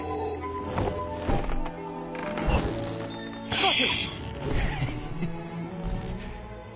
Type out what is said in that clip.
よし！